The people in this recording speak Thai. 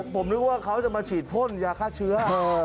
ผมนึกว่าเขาจะมาฉีดพ่นยาฆ่าเชื้อ